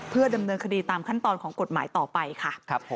เพื่อดำเนินคดีตามขั้นตอนของกฎหมายต่อไปค่ะ